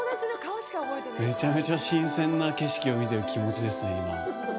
めちゃめちゃ新鮮な景色を見てる気持ちですね、今。